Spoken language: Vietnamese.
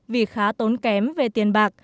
vì khá tốn kém về tiền bạc